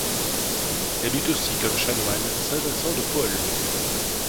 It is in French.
Elle eut aussi comme chanoine saint Vincent de Paul.